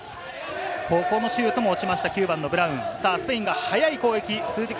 ここのシュートも落ちました、ブラウン。